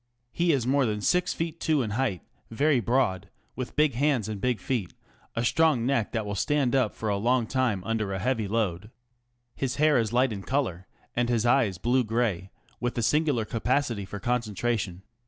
He is more than six feet two in height, very broad, with big hands and big feet, a strong neck that will stand up for a long time under a heavy load. His hair is light in colour, and his eyes blue gray, with a singular capacity for concentration.